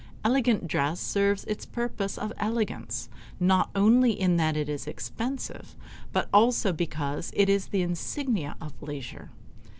Elegant dress serves its purpose of elegance not only in that it is expensive, but also because it is the insignia of leisure.